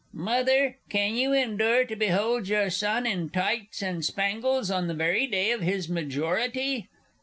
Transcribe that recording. Mother, can you endure to behold your son in tights and spangles on the very day of his majority?